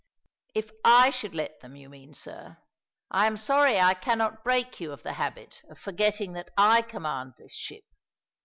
"If I should let them, you mean, sir. I am sorry I cannot break you of the habit of forgetting that I command this ship.